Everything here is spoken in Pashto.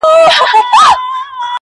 د خپلو سره جنگ د ښيښې درز دئ.